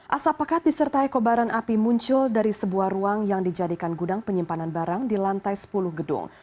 asap pekat disertai kobaran api muncul dari sebuah ruang yang dijadikan gudang penyimpanan barang di lantai sepuluh gedung